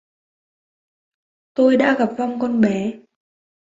Tôi đã gặp vong con bé